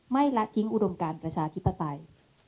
ละทิ้งอุดมการประชาธิปไตย